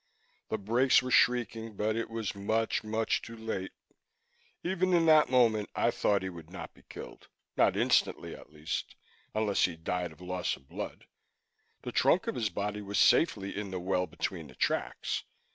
The brakes were shrieking, but it was much, much too late. Even in that moment I thought he would not be killed not instantly, at least, unless he died of loss of blood. The trunk of his body was safely in the well between the tracks.